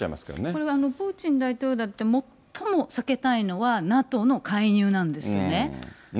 これ、プーチン大統領だって最も避けたいのは、ＮＡＴＯの介入なんですよね。